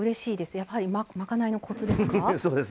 やはり、まかないのコツですか？